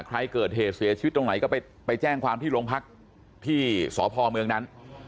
ใครเกิดเหตุเสียชีวิตตรงไหนก็ไปแจ้งความที่โรงพักที่สพเมืองนั้น